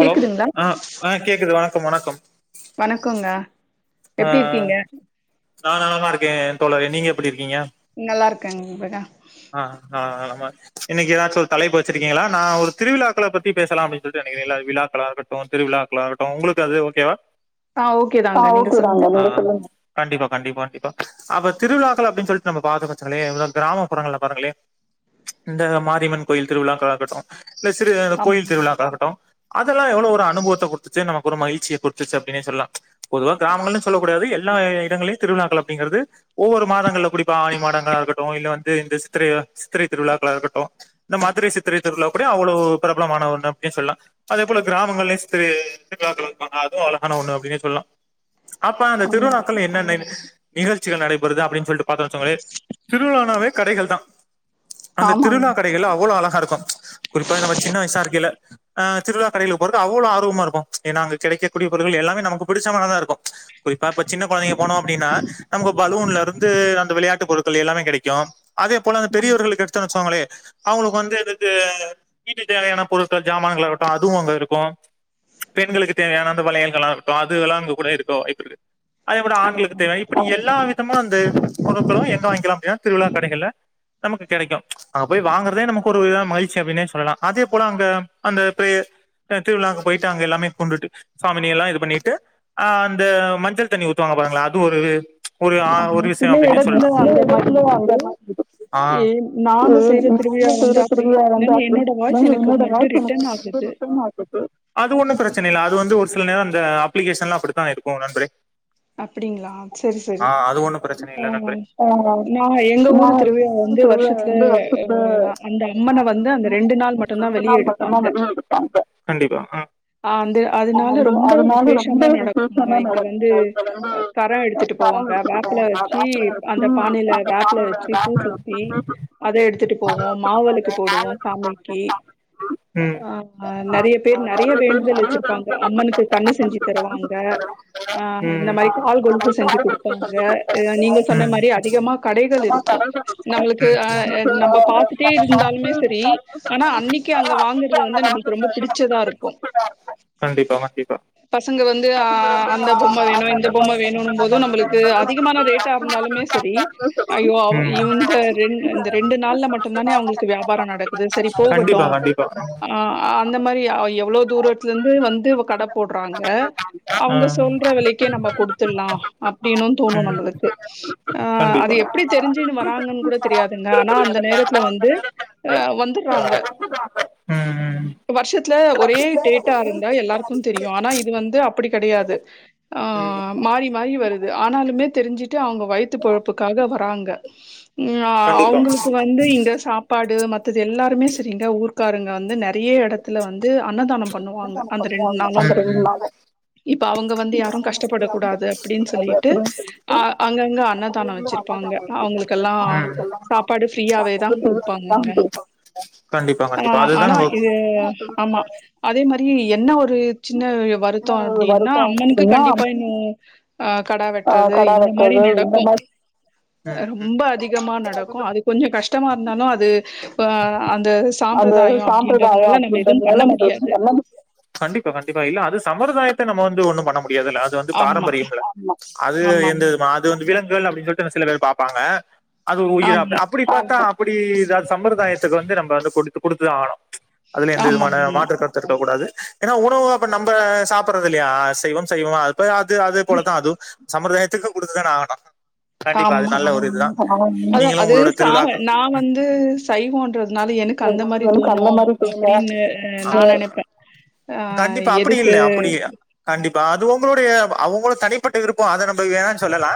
Hello ஆஹ் ஆஹ் கேக்குது வணக்கம் வணக்கம் வணக்கோங்க எப்டி ஆஹ் இருக்கீங்க நான் நல்லாதா இருக்கேன் தோழர் நீங்க எப்டி இருக்கீங்க நல்லா இருக்கேங்க [unintelligible] ஆஹ் ஆஹ் ஆமா இன்னைக்கு எதாச்சு ஒரு தலைப்பு வச்சிருக்கீங்களா நான் ஒரு திருவிழாக்களை பத்தி பேசலாம்னு அப்டினு சொல்லிட்டு விழாக்களா இருக்கட்டும் விலாக்கலாகட்டீம் உங்களுக்கு அதுவே ஓகேவா ஆ ஓகே தாங்க நீங்க சொல்லுங்க கண்டிப்பா கண்டிப்பா அப்ப திருவிழாக்கள் அப்டின்னு சொல்லிட்டு நம்ம பாக்ரம்லையா கிராம புரங்கள்ள பாறுங்களே இந்த மாரியம்மன் கோயில் திருவிழாக்கலா இருக்கட்டும் இல்ல சிறு அந்த ஆமா கோயில் திருவிழாக்களாகட்டும் அதெல்லாம் எவ்ளோ ஒரு அனுபவத்த கொடுத்துச்சு நமக்கு ஒரு மகிழ்சிய கொடுத்துச்ச அப்படின்னு சொல்லாம் பொதுவாக கிராமங்கள்னு சொல்லக் கூடாது எல்லா இடங்களையும் திருவிழாக்கள் அப்படிங்கிறது ஒவ்வொரு மாதங்கள் குறிப்பா ஆடி மாதங்கள இருக்கட்டும் இந்த சித்திரை சித்திரை திருவிழாக்கள் இருக்கட்டும் இந்த மதுரை சித்திரை திருவிழா கூட அவ்வளவு பிரபலமான ஒன்று சொல்லலாம் அதே போல கிராமங்களயும்சேரி அதுவும் அழகான ஒண்ணு அப்படின்னு சொல்லலாம் அப்ப அந்த ஆமா திருவிலாக்கள என்ன நிகழ்ச்சிகள் நடைபெறது அப்படின்னு சொல்லிட்டு பாத்தோங்ச்சிகோய திருவிழானாவே கடைகள் தான் அந்த ஆமாங்க திருவிழா கடைகள் அவ்வளவு அழகா இருக்கும் குறிப்பா நம்ம சின்ன வயசா இருக்கல்ல அஹ திருவிழா கடையில போறது அவ்வளவு ஆர்வமா இருக்கும் ஏன்னா அங்க கிடைக்க கூடிய பொருட்கள் எல்லாமே நமக்கு புடிச்ச மாரிதான் இருக்கும் இப்பப்ப சின்ன குழந்தைங்க போனோம் அப்படின்னா நமக்கு பலூன்ல இருந்து அந்த விளையாட்டு பொருட்கள் எல்லாமே கிடைக்கும் அதே போல அந்த ஆமா பெரியவர்கள் எடுத்துச்சாங்களே அவங்களுக்கு வந்து எதுக்கு வீட்டு தேவையான பொருட்கள் சாமான்கள்ள ஆகட்டும் அதுவும் அங்க இருக்கும் பெண்களுக்கு தேவையான அந்த வளையல்கள் எல்லாம் இருக்கும் அதுல்லாம் அங்க கூட இருக்க இருக்க வாய்புருக்கு அதேப்போல ஆண்களுக்கு ஆமா தேவைைய இப்படி எல்லா விதமும் அந்த பொருக்களும் எங்க வாங்கலாம் அப்படின்னா திருவிழா கடைகள்ல நமக்கு கிடைக்கும் அங்க போய் வாங்குறதே நமக்கு ஒரு இத மகிழ்ச்சி அப்படின்னே சொல்லலாம் அதே போல அங்க அந்த திருவிழாவுக்கு போயிட்டு அங்க எல்லாமே கொண்டுட்டு சுவாமினி எல்லாம் இது பண்ணிட்டு அஹ் அந்த மஞள்சதண்ணி ஊத்துவாங்க பாங்களா அது ஒரு ஆமா ஒரு விஷயம் சில அப்படின் எடத்துல சொல்லலாம் அந்த மாரி இருக்கு ஆஹ் ஏ நாங்க செய்ற திருவிழா வந்து அப்டி என்னங்க என்னோட வாய்ஸ் எனக்கு மறுபடியு ரிட்டர்ன் ஆகுது [unintelligible] அது ஒன்னும் பிரச்சனை இல்ல அது வந்து ஒரு சில நேரம் அந்த அப்ளிகேஷன் எல்லாம் அப்படித்தான் இருக்கும் நண்பரே அப்டிங்களா செரி செரி ஆஹ் அது ஒண்ணும் பிரச்சனை ஆ இல்ல நண்பரே நா எங்க ஊரு திருவிழா வந்து வருஷத்துல நான் அ அந்த அம்மன வந்து அந்த ரெண்டு நாள் [unintelligible] மட்டுந்தா ரெண்டு வெளிய நாள் எடுப்பாங்க கண்டிப்பா அ ஆ அந்த ஆ அதனால வந்து ரொம்ப அதனால ரொம்ப விசேஷமா நடக்குங்க. விசேஷமா இங்க நடக்கு வந்து இப்ப வந்து அ கரம் எடுத்துட்டு டவல் போவாங்க. எடுத்துக்கிட்டோ வேப்பில நா [unintelligible] நாங்க பி பூசுத்தி அத எடுத்துட்டு அதை போவோ மாவெளக்கு எடுத்துக்கிட்டாங்க நாள் போடுவோ எடுத்துக்கிட்டாங்க சாமிக்கி சமைச்சு, உம் ஆ அஹ், நறைய பேர் நற் றைய நிறைய பேர் வேண்டுதல் நிறைய வச்சிருப்பாங்க தடவை அம்மனுக்கு எடுத்துக்கிட்டாங்க கண்ணு செஞ்சு அம்மனுக்கு தண்ணி தருவாங்க கொடுத்து தருவாங்க ஆ இந்த உம் மாரி ஆஹ், கால் கொலுசு நைட்டு செஞ்சு ஆறு எடுத்து குடுப்பாங்க செஞ்சு நீங்க கொடுத்தாங்க சொன்ன உம் மாரி அதிகமா கா கடைகள் சுத்தமா இருக்கூ தலைல இருக்கும் நம்முளுக்கு ஆ உங்களுக்கு நம்ப பாத்துட்டே நம்ம பாத்துட்டே இருந்தாலுமே செரி இருந்தாலுமே ஆனா சரி அன்னிக் கு ஆனா அங்க அன்னைக்கு வாங்குறது அந்த வந்து நம்மளுக்கு வாகனத்துல ரொம்ப வந்து நமக்கு வந்து பிடிச்சதாருக் கண்டிப்பா கண்டிப்பா பசங்க வந்து ஆ அது வந்து அந்த ஆ பொம்ம வேணூ அந்த இந்த பொம்ம வேணூனும்போது நம்மளுக்கு உங்களுக்கு அதிகமான அதிகமான ரேட்டாருந்தாலுமே டேட்டா செரி இருந்தாலுமே சரி ஐயோ அவ ம் அது இவங்ட்ட வந்து ரெண் இந்த ரெண்டு நாள்ல ரெண்டு மட்டுந்தானே நாள்ல அவுங்ளுக்கு மட்டும்தான் வியாபாரோ நமக்கு நடக்குது செரி வந்து போகட்டூ கண்டிப்பா கண்டிப்பா ஆ அந்த மாரி அ எப் ப தூரத்துலந்து வந்து கட போட்றாங்க ஆ அவுங்க ம் சொல்ற விலக்கே நம்ம குடுத்துட்லா அப்டினூ தோணூ நம்முளுக்கு ஆ இ அது கண்டிப்பா எப்படி தெரிஞ்சுன்னு வராங்கன் கூட தெரியாதுங்க ஆனா அந்த நேரத்துல வந்து ஆ வந்துர்றாங்க ம் வருஷத்ல ஒரே டேட்டா இருந்தா எல்லாருக்கூ தெரியூ ஆனா இது வந்து அப்டி கெடையாது ஆ மாறி மா மாறி வருது ஆனாலுமே டு அவுங்க வயித்து பொழப்புக்காக வராங்க ஆ கண்டிப்பா அவுங்குளுக்கு வந்து இங்க சாப்பாடு மத்தது எல்லாருமே செரிங்க ஊர்காருங்க வந்து நறைய எடத்துல வந் து அன்னதானோ பண்ணுவாங்க அந்த ரெண்ட் பண்ணுவாங்க நாளு அந்த ரெண்டு நாளு இப்ப அவுங் க வந்து யாரூ கஷ்டப்படக்கூடாது அப்டின் அது சொல்லிட்டு அப்டின்னு சொல்லிட்டு ஆ அங்கங்க அது அன்னதானோ வந்து வச்சிருப்பாங்க அன்னதானம் அவ் வச்சிருக்காங்க ங்குளுக்கெல்லா அவங்களுக்கெல்லா சாப்பாடு ஃப்ரீயாவே தா சாப்பாடு குடுப்பாங்கங்க குடுப்பாங்க கண்டிப்பா கண்டிப்பா ஆனா அதுதா ஆனா நம்ம இது ஆமா அது அதே மாரி என்ன ஒரு சின்ன வருத்தோ அப்டின்னா ஆ வருத்தோ அம்மனுக்கு அப்டின்னா கண்டிப்பா இன்னூ ஆ கடா ஆ வெட்டுறது கடா இந்த மாரி வெட்றது இந்த நடக்கூ மாரி ம் ரொம்ப அதிகமா நடக்கூ ம் அது கொஞ்சோ கஷ்டமா இருந்தாலு அது த அந்த அந்த சாம்பிரதாயோ சாம்பிரதாயோ அப்டின்றதுனால நம்ம எதுவும் அப்டின்றதுனால பண்ண முடியாது. கண்டிப்பா கண்டிப்பா இல்ல அது சம்பரதாயத்த நம்ம வந்து ஒன்னு பண்ண முட் யாதுல அது வந்து ஆமா, பாரம்பரியம்ல அது எந்து ஆமாமா. மாது விலங் கள் அப்டின் சொல்லிட்டு சில பேர் பாப்பாங்க அது உயிர அப் ஆமா, அப்டி பாத்தா அப்டி சம்பிரதாயத்துக்கு வந்து நம்ம வந்து குடுத்து குடுத்துதா ஆணூ அதுல எந்த ஆமா, விதமான ஆமா. மாற்று கருத்து இருக்க கூடாது ஏனா உணவு அப்ப நம்ப சாப்புட்றதில்லையா அசைவம் சைவம் அப்ப அது அது போலதா அது சம்பிரதாயத்துக்கு குடுத்துதானே ஆவணூ கண்டிப்பா அது ஆமா, நல்ல ஒரு இதுதா ஆமா. அதான் நீங்களூ அது உங்ளோட சா திருவிழாக்கு நான் ம் வந்து சைவம்ன்றதுனால எனக்கு அந்த எல்லாரூ மாரி எனக்கு அந்த தோணும் மாரி பெய்ங்க அப்டின்னு அ நான் நெனைப்பேன். அ கண்டிப்பா எதுக்கு? அப்டில்ல அப்டி கண்டிப் பா அது உங்களுடைய அவுங்ளோ தனிப்பட்ட விருப்போ அத நம்ம வேணானு சொல்லலா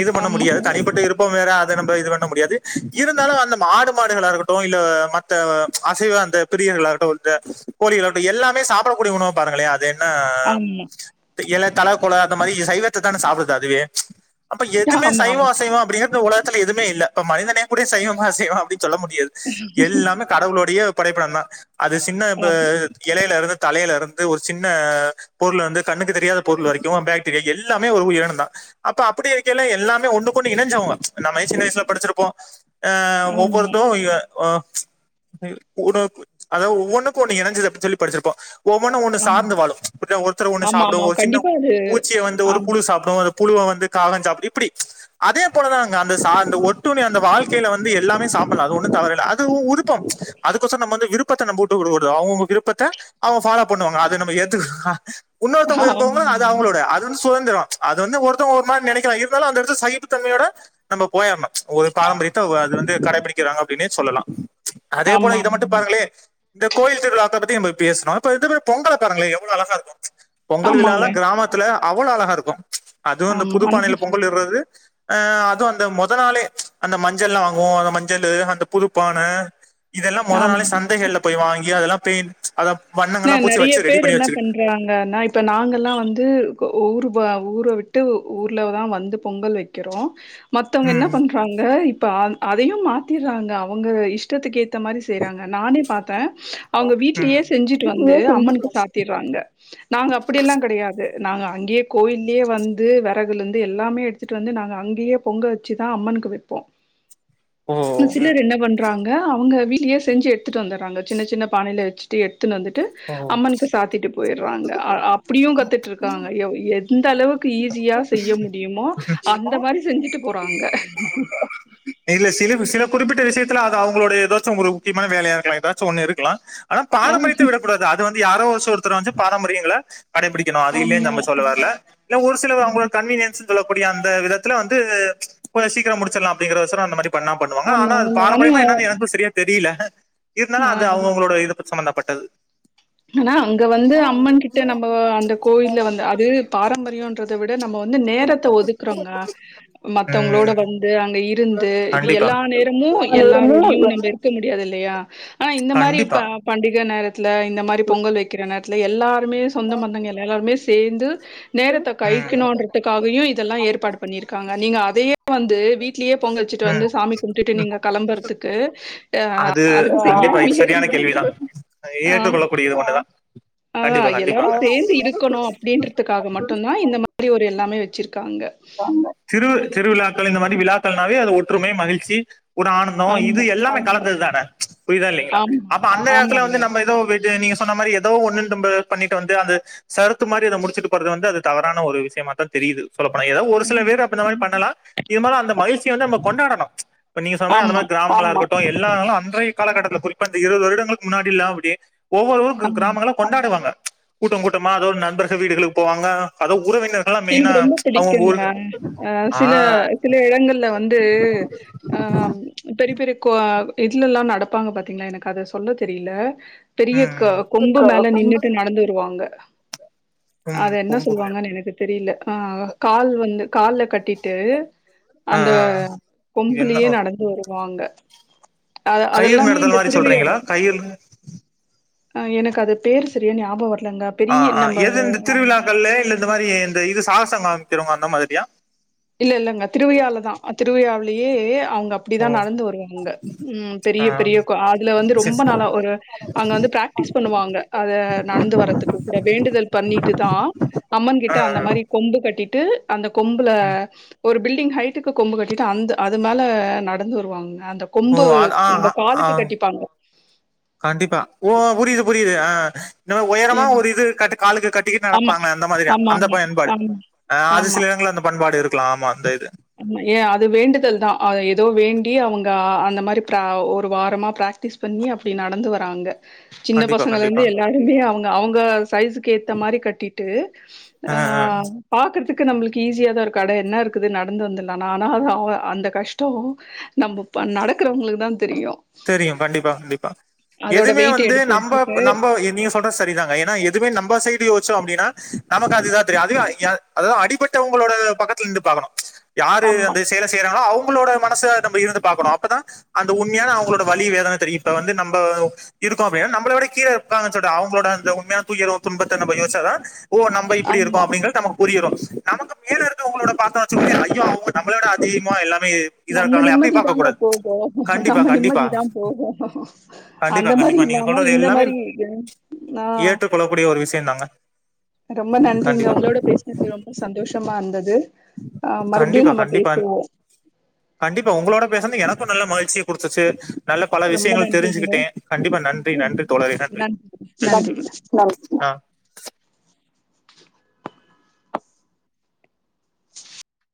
எது பண்ண ஆமா, முடியாது தனிப்பட்ட விருப்போ வேற அத நம்ம இது பண்ண முடியாது இருந்தாலு அந்த ஆடு மாடுகளாக இருக்கட்டூ இல்ல மத்த அசைவ அந்த ப்ரியர்களாக இருட்டவுள்ட கோழிகளாக இருக்கட்டூ எல்லாமே சாப்டக்கூடிய உணவா பாருங்களே அதேன் ஆமா இல தல குள அந்த மாரி சைவத்தத்தானே சாப்டுது அதுவே அப்ப எதுமே சைவோ ஆமாமா. அசைவோ அப்டின்னு உலகத்துல எதுமே இல்ல இப்ப மனிதனே கூட சைவமா அசைவமா அப்டின் சொல்ல முடியாது எல்லாமே கடவுளோடைய படைப்பினோந்தா அது சின்ன ப ஆமா. எலையிலருந் தலையிலருந்து ஒரு சின்ன பொருள் வந்து கண்ணுக்கு தெரியாத பொருள் வரைக்கூ பாக்டீரியா எல்லாமே ஒரு உயிரனந்தா அப்ப அப்டி இருக்கையில எல்லாமே ஒன்னுக்கொன்னு இணைஞ்சவுங்க நம்ம சின்ன வயசுல படிச்சிருப்போ அ ஆமா, ஒவ்வொருத்து இவ ஆ ஒன்னு கு அதாவ் ஒவ்வொண்ணுக்கு ஒண்ணு இணஞ்சித் அப் சொல்லி படிச்சிருப்போ ஒவ்வொன்னொ ஒண்ணு ஆமா. சார்ந்து வாழு ப்பிட்தா ஒருத்தர ஒண்ணு சாப்பிடு ஆமாமா. ஒரு சின்ன கண்டிப்பா அது பூச்சிய வந்து ஒரு ஆமா. புழு சாப்டோ அது புழுவ வந்து காகஞ் சாப்பிடு இப்பிடி அதே போலதா அங் அந்த சார்ந்த ஒட்டுணி அந்த வாழ்க் கைல வந்து எல்லாமே சாப்பில்லா அது ஒன்னு தவறில்ல அது உ உருப்பம் அதுக் கோச நம் வந்து விருப் பத்த நம்ப வுட்டுகுடுக்க கூடாது அவுங்க விருப்பத்த அவுங்க ஃபாலோ பண்ணுவாங்க அத நம்ம ஏத்துக்கணு உன்னொருத்தவங்க இருப்பவங்க அது ஆமாங்க. அவுங்களோட அது வந்து சுதந்திரோ அது வந்து ஒருத்த ஒரு மார் நெனைக்லா இருந்தாலு அந்த எடத்ல சகிப்பு தன்மையோட நம்ம போயர்னோ ஒரு பாரம்பரிய த்த அது வந்து கடைபிடிக்கிறாங்க அப்டின்னே சொல்லலா அதே போல இத மட்டு ஆமாமா. பாருங்களே இந்த கோயில் திருவிழா அத்த பத்தி நம்ப பேசுனோ அப்ப இந்த மாரி பொங்கல பாருங்களே எவ்ளோ அழகாருக்கோ பொங்கல் ஆமாங்க. விழால்லா கிராமத்துல அவ்வளோ அழகாருக்கு அதுவு இந்த ஆமா. ஆனா- புதுப்பானையில பொங்கல் இற்றது அ அதுவு அந்த மொத நாளே அந்த மஞ்சள்லா வாங்குவோ அந்த மஞ்சளு அந்த புதுப்பான இதெல்லா மொத நாளே ஆமா. சந்தைகள்ல போய் வாங்கி அதெல்லா பெய்ன்ட் ன நெறைய பேரு என்ன பண்றாங்கன்னா இப்ப நாங்கல்லா வந்து ஊரு பா ஊர விட்டு ஊர்லதா வந்து பொங்கல் வெக்கிறோ மத்தவங்க என்ன ம் பண்றாங்க இப்ப அ அதையு மாத்திற்றாங்க அவங்க இஷ்டத்துக்கு ஏத் தமாதிரி செய்றாங்க நானே பாத்தே அவுங்க ம் வீட்லியே செ ஞ்சுட்டு வந்து வீட்லயே செஞ்சு அம்மனுக்கு சாத்திற்றாங்க நாங்க அப்படியெல்லா கெடையாது நாங்க அங்க்யே கோயில்யே வந்து வெறகுலிர்ந்து எல்லாமே எடுத்துட்டு வந்து நாங்க அங்கியே பொங்க வெச்சி தா அம்மன் னுக்கு வெப்போ ஓ ஆன ம் சிலர் என்ன பண்றாங்க அவுங்க வீட்லியே செஞ்சு எட்த்துட் வந்தற்றாங்க சின்ன சின்ன பானையில வெச் டு வந்துட்டு ஓ அம்மனுக்கு சாத்திட்டு போய்றாங்க சாப்ட்டுக்கிறீங்களா அ அப்புடியு கத்துட்ருக்காங்க எவ் எந்த அளவுக் கு ஈஸியா செய்ய முடியுமோ அந்த மாரி செஞ்சுட்டு போறாங்க இல்ல சில விஸ் சில குறிப்பிட்ட விசியத் த்த அது அவுங்களுட ஏதாச்சும் ஒரு முக்கிமான வேலையா இருக்லா எதாச்சும் ஒன்னு இருக்லா ஆனா ஆ பாரம்பரியத்த விடகூடாது அது வந் யாரோ ஒருசில ஒருத்தராஞ்சு பாரம்பரியங்கள கடைபிடிக்கனோ அது இல்லேன் ஆமா. நம்ப சொல்ல வர்ல இல்ல ஒரு சிலவு ம். அவுங்களோட் கன்வீனியன்ஸுகள டைம் அந்த விதத்துல வந்து கொஞ்ச சீக்கிரம் முடிச்சற்லா அப்டிங்றகோசரோ அந்த மாத்ரி பண்ணா பண்ணுவாங்க ஆமா, ஆனா ஆமா. ஆனா பாரம்பரியமா என்னனு எனக்கு செரியா தெரியில இர்ந்தாலு ஆ அது அவுங்கவுகங்களோட இத பொர்த் சம்பந்தப்பட்டது ஆனா அங்க வந்து அம்மன் கிட்ட நம்ம அந்த கோயில்ல வந்த அது பாரம்பரியோன்றத விட நம்ம வந்து நேரத்த ஒதுக்குறோங்க மத்தவங்ளோட உம் வந்து அங்க இருந்து இப் கண்டிப்பா எல்லா நேரமு எல்லா மு நேரமும் எல்லாரோடியு எல்லா நம்ப இருக்க முடியாது இல்லையா ஆனா இந்த மாரி இப்ப கண்டிப்பா பண்டிக நேரத்ல இந்த மாரி பொங்கல் வெக்கிற நேர்த்ல எல்லா ருமே சொந்த பந்தங்க எல்லாரோட்மே சேந்து நேரத்த ம் கழிக்கணுன்றதுக்காகயு இதெல்லா ஏறுபாடு பண்ணியிருக்காங்க நீங்க அதையே வந்து வீட்லியே பொங்க வெச்சிட்டு வந்து ம் சாமி கும்டுட்டு நீங்க களம்பறதுக்கு ஆ அது அதுக்கு கண்டிப்பா செய்யாம இது சரியான கேள்விதா [inaudible] ஆ ஏற்றுக்கொள்ளக்கூடியது ஒண்ணுதா அதுதா கண்டிப்பா எல்லாரு கண்டிப்பாங்க சேந்து இருக்கனோ அப்டின்றித்துக்காக மட்டுந்தா இந்த மாரி ஒரு எல்லாமே வெச்சிருக் காங்க சிறு திருவிழாக்கள் இந்த மாரி விழாக்கள்னாவே அது ஒற்றுமை மகிழ்ச்சி ஒரு ஆனந்தோ இது ஆமா, எல்லாமே கலந்தத் தான புரிதா இல்லிங்ளா ஆமா. அப்ப அந்த நேர்த்துல ஆமாங்க. வந்து நம்ப எதோ வெ நீங்க சொ சொன்ன மாரி எதோ ஒண்ணுட்டம்ப பண்ணிட்டு வந்து அந்த சரத்து மாரி அத முடிச்சிட்டு போறது வந்து அது தவறான ஒரு விஸியமா தா தெரி யுது சொல்ல போனா எதாவ் ஒரு சில பேரு அப்பின்ன மாரி பண்ணலா இர்ந்தாலு அந்த மகிழ்ச்சிய வந்து நம்ப கொண்டாடனு இப்ப நீங்க சொன்ன மாரி அந்த ஆமா, மாத் கிராமங்களா இருக்கட்டு எல்லா நாளு அன்றைய் காலகட்டத்துல குறிப்பா இந்த இருவது வருடங்களுக் முன்னாடில்லா அப்படி ஒவ்வொரு ஊரு க் ஆமா. கிராமங்கள கொண்டாடுவாங்க கூட்டோ கூட்டமா அதோட் நண்பர்கள் வீடுகளுக் போவாங்க அது உறவினர்கெல்லா மெய்னா இருக்குங்க சில சில இடங்கள்ல வந்து ஆஹ் பெரிய பெரிய கோ அ இத்லெல்லா நடப்பாங்க பாத்தீங்ளா எனக்கு அத சொல்ல தெரில பெரிய ம் க கொம்பு கொ மேல கொம்பு நின்னுட்டு நடந்து வருவாங்க ம் அது என்ன கொம்பு மேல சொல்லுவாங்கன்னு எனக்கு தெரியில ஆ கால் வந்து கால்ல கட்டிட்டு ஆ அந்த ஆ கொம்புலயே என்ன நடந்து வருவாங்க அத கயிறு அதெல்லாமே நடத்தல் இந்த மாரி சொல்றீங்களா திருவிழா கயிறு ஆ எனக்கு அது பேரு செரியா ஞாபகம் வர் ஆ ஆ எது இந்த திருவிழாக்கள்லையா இல்ல இந்த மாரி இந்த இது சாகசம் காமிக்கிறவங்க அந்த மாதிரியா இல்ல இல்லங்க திருவிழாலதா திருவிழாவிலயே அவங்க ஓ அப்படிதா நடந்து வருவாங்க ம் பெரிய ஆ பெரிய அதுல வந்து செரி ரொம்ப செரி நாளா ஒரு அங்க வந்து பிராக்டிஸ் பண்ணுவாங்க அத நடந்து வரதுக்கு கூட வேண்டுதல் பண்ணிட்டுதா அம்மன் ஆ கிட்ட அந்த ஆ மாரி கொம்பு கட்டிட்டு அந்த கொம்புல ம் ஒரு பில்டிங் ஹைட்டுக்கு கொம்பு கட்டிட்டு அந்த அது மேலே நடந்து வருவாங்கங்க ஓ ஆ அ ஆ கண்டிப்பா ஓ புரிது புரிது ஆ இந்தமாரி எ ஒயரமா ஒரு இது கட்டு காலுக்கு கட்டிக்கிட்டு ஆமா, நடப்பாங்களே அந்த மாரியா ஆமா, அந்த ஆமா, பயன்பாடு ஆமா, ஆ அது சில எடங்கள்ல அந்த பண்பாடு இருக்கலா ஆமாங் ஏ அது வேண்டுதல்தா அ எதோ வேண்டி அவங்க அந்த மாரி ப்ரா ஒரு வாரமா பிராக் டிஸ் பண்ணி அப்படி நடந்து வராங்க சின்ன கண்டிப்பா பசங்கள்ல இருந்து கண்டிப்பா எல்லாருமே அவங்க அவங்க சைஸுக்கு ஏத்த மாதிரி கட்டிட்டு அ ஆ ஆ ஆபாக்கறதுக்கு நம்மளுக்கு ஈஸியாதா இருக்கு அட என்ன இருக்குது நட ந்து வந்தர்லான் ஆனா அந்த கஷ்ட நம்ப ப நடக்கறவங்களுக்குதா தெரியு கண்டிப்பா கண்டிப்பா அதோட எதுமே வெயிட்ட வந்து எடுத்து நம்ப வச்சுட்டு நம்ப நீங்க சொல்ற சரிதாங்க ஏன்னா எதுமே நம்ப சைடு யோசிச்சோ அப்டின்னா நமக்கு அதுதா தெரியு அதுவே ய அதாது அடிபட்டவங்களோட பக்கத்துல இருந்து பாக்கணு யாரு ஆமா, அந்த செயலை செய்யறாங்களோ அவங்களோட மனச நம்ம இருந்து பாக்கணு அப்பதா அந்த உண்மையான அவங் களோட வலி வேதன தெரியு இப்ப வந்து நம்ப இருக்கோ அப்படினா நம்பளவிட கீழ இருப்பாங்கன் சொல்ற அவங்களோட அந்த உண்மையான துயர் துன்பத்த நம்ம யோசிச்சாதா ஓ நம்ம இப்டி இருக்கோ ஆமா. அப்டிங்றது நமக்கு புரியிறு நமக்கு மேல இருக்க வங்களோட பாத்தோ வெச்சுகோங்ளே ஐயோ அவுங்க நம்மளவிட அதிகமா எல்லா நம்ம நிம்மதி தாங்க போகு கண்டிப்பா, நம்ம கண்டிப்பா. நிம்மதி தா போகு கண்டிப்பா அந்த மாரி இல்லாம இந்த மாரி இது ஏற்றுக்கொள்ளக் கூடிய ஒரு விஷயம் தாங்க ரொம்ப நன்றிங்க கண்டிப்பா உங்களோட பேசினது ரொம்ப சந்தோஷமா இருந்தது ஆ மறுபடியு கண்டிப்பா நம்ம கண்டிப்பா பேசுவோ கண்டிப்பா உங்களோட பேசனது எனக்கு ரொம்ப நல்ல மகிழ்ச்சிய குடுத்துச்சி நல்ல பல ரொம்ப விஷயங்கள் நன்றிங்க தெரிஞ்சிக்கிட்டே கண்டிப்பா நன்றி நன்றி தோழரே நன்றி இதான் இதான் ஆ [inaudible]